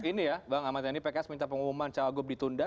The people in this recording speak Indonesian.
ini ya bang ahmad yani pks minta pengumuman cawagup ditunda